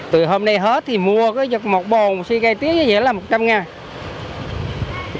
từ hôm nay hết thì mua cứ như một bồn suy cây tiết như vậy là một trăm linh ngàn